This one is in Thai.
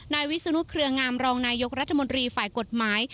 นายวิสุนุกเรืองามรองนายกรัฐมนธรรมนิฝ่ากฎหมาย